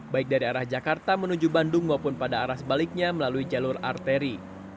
baik dari arah jakarta menuju bandung maupun pada arah sebaliknya melalui jalur arteri